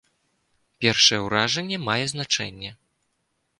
Першае ўражанне мае значэнне.